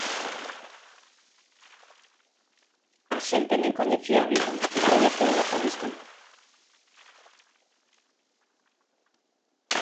A xente nin coñecía Vigo, e coñeceuna por isto.